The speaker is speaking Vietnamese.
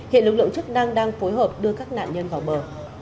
hiện lực lượng chức năng đang phối hợp đưa các nạn nhân vào bờ